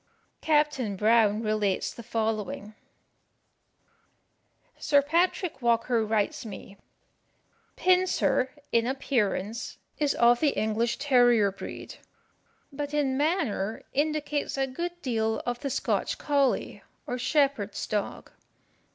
Captain Brown relates the following: Sir Patrick Walker writes me: "Pincer, in appearance, is of the English terrier breed, but in manner indicates a good deal of the Scotch colley, or shepherd's dog.